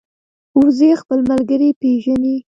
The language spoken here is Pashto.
وزې خپل ملګري پېژني